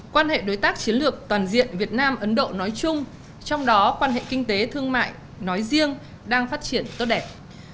quan hệ đối tác chiến lược toàn diện việt nam ấn độ nói chung trong đó quan hệ kinh tế thương mại nói riêng đang phát triển tốt đẹp